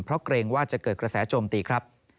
เพราะเกรงว่าจะเกิดกระแสโจมตีครับ